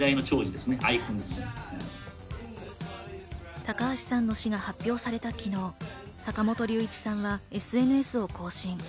高橋さんの死が発表された昨日、坂本龍一さんはＳＮＳを更新。